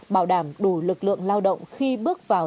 bảo đảm đủ lực lượng lao động khi bước vào